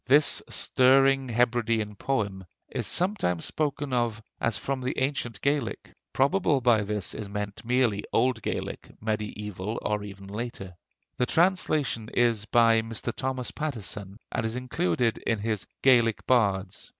This stirring Hebridean poem is sometimes spoken of as from the ancient Gaelic. Probably by this is meant merely old Gaelic, mediæval or even later. The translation is by Mr. Thomas Pattison, and is included in his 'Gaelic Bards.'